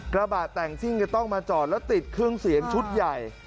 กระบะแต่งซิ่งจะต้องมาจอดแล้วติดเครื่องเสียงชุดใหญ่